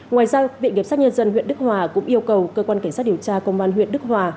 ngoài ra viện kiểm soát nhân dân huyện đức hòa cũng yêu cầu cơ quan kiểm soát điều tra công an huyện đức hòa